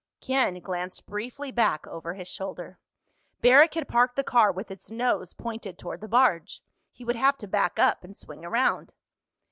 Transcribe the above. Ken glanced briefly back over his shoulder. Barrack had parked the car with its nose pointed toward the barge. He would have to back up and swing around.